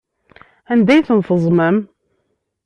Anda ay ten-teẓẓmem?